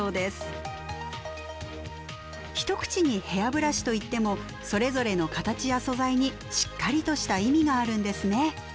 一口にヘアブラシといってもそれぞれの形や素材にしっかりとした意味があるんですね。